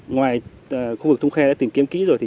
ngoài khu vực thông khe đã tìm kiếm kỹ rồi